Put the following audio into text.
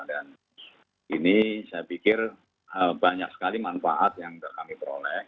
dan ini saya pikir banyak sekali manfaat yang kami peroleh